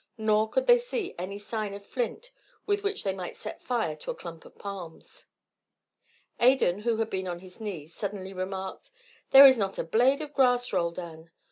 Nor could they see any sign of flint with which they might set fire to a clump of palms. Adan, who had been on his knees, suddenly remarked: "There is not a blade of grass, Roldan.